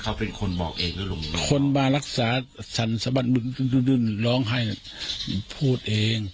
เขาเป็นคนบอกเองหรือลุงพ่อคนมารักษาสรรสบรรคดื่นดื่นร้องให้พูดเอง